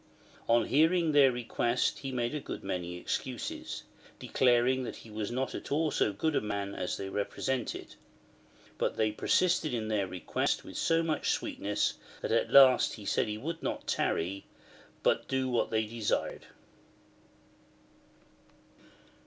On hearing their request he made many excuses, declaring that he was not at all so good a man as they repre sented. But they persisted in their request with so much sweetness, that at last he said he would not tarry, but do what they desired.